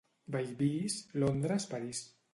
Bellvís, Londres, París.